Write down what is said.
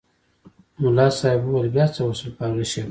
ملا صاحب وویل بیا څه وشول په هغې شېبه کې.